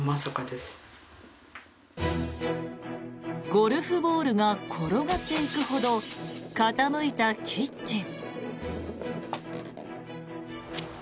ゴルフボールが転がっていくほど傾いたキッチン。